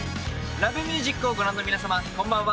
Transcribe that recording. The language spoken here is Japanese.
『Ｌｏｖｅｍｕｓｉｃ』をご覧の皆さまこんばんは。